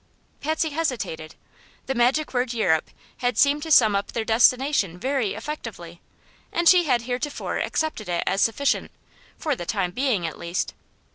Patsy hesitated. The magic word "Europe" had seemed to sum up their destination very effectively, and she had heretofore accepted it as sufficient, for the time being, at least.